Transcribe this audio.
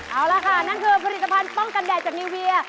เอาละค่ะนั่นคือผลิตภัณฑ์ป้องกันแดดจากนิวเวีย